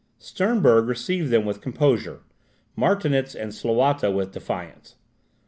Sternberg received them with composure, Martinitz and Slawata with defiance.